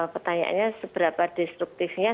petanyaannya seberapa destruktifnya